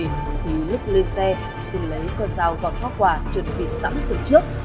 nhưng khi lúc lên xe hưng lấy con dao gọt hoa quả chuẩn bị sẵn từ trước